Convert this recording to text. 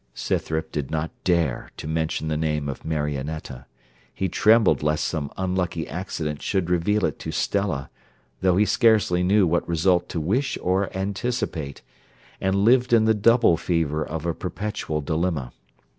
Scythrop did not dare to mention the name of Marionetta; he trembled lest some unlucky accident should reveal it to Stella, though he scarcely knew what result to wish or anticipate, and lived in the double fever of a perpetual dilemma.